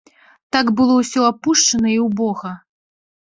Так было ўсё апушчана і ўбога.